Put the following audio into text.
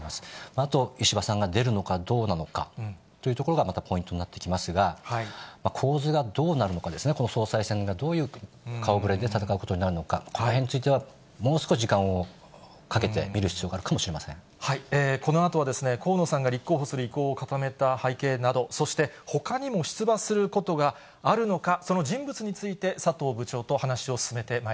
あと、石破さんが出るのかどうなのかというところがまたポイントになってきますが、構図がどうなるのかですね、この総裁選がどういう顔ぶれで戦うことになるのか、このへんについてはもう少し時間をかけて見る必要があるかもしれこのあとは、河野さんが立候補する意向を固めた背景など、そしてほかにも出馬することがあるのか、その人物について佐藤部長と話を進めてまい